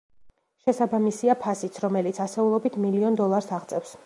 შესაბამისია ფასიც, რომელიც ასეულობით მილიონ დოლარს აღწევს.